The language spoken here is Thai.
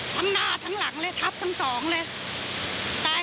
ทั้งหน้าทั้งหลังเลยทับทั้งสองเลยตาย